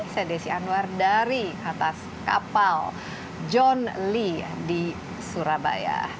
saya desi anwar dari atas kapal john lee di surabaya